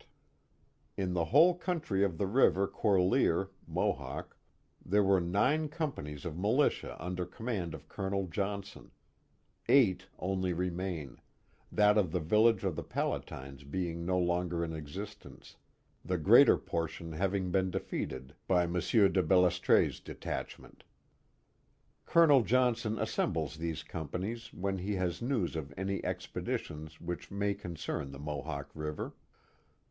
43* The Mohawk Valley L In the whole country of the river Corlear (Mohawk) there were nine companies of militia under command of Colonel Johnson; eight only remain, that of the village of the Palatines being no lonpr in existence, the greater portion having been defeated by M. de Bellesire's detachment. Colonel Johnson assembles these companies when he has nevt of any expedition which may concern the Mohawk River.